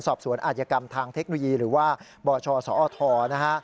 สอบสวนอาจยกรรมทางเทคโนโลยีหรือว่าบชสอทนะฮะ